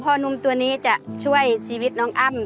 นุ่มตัวนี้จะช่วยชีวิตน้องอ้ำ